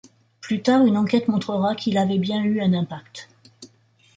Plus tard une enquête montrera qu'il avait bien eu impact.